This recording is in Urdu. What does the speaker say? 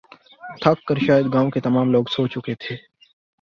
تھک کر شاید گاؤں کے تمام لوگ سو چکے تھے